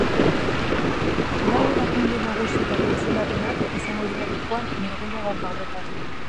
Lau erakunde nagusietako izendapenak izango dira jokoan norgehiagoka horretan.